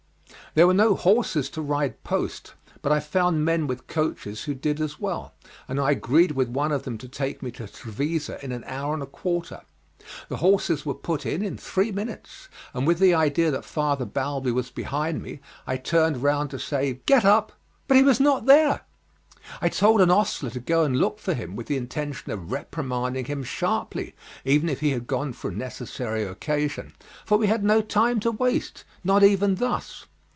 There were no horses to ride post, but I found men with coaches who did as well, and I agreed with one of them to take me to Trevisa in an hour and a quarter. The horses were put in in three minutes, and with the idea that Father Balbi was behind me I turned round to say "Get up," but he was not there. I told an ostler to go and look for him, with the intention of reprimanding him sharply, even if he had gone for a necessary occasion, for we had no time to waste, not even thus.